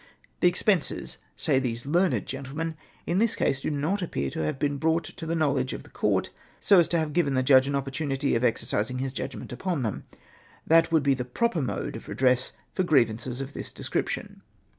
The expenses,' say these learned gentlemen, ' in this case do not appear to have been brought to the knowledge of the Court so as to have given the judge an opportunity of exer cising liis judgment upon them; tha.t would be the proper mode of redress for grievances of this description.'